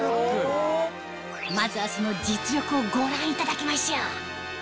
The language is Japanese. まずはその実力をご覧いただきましょう